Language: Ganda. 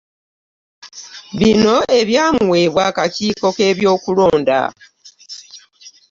Bino ebyamuweebwa akakiiko k'ebyokulonda.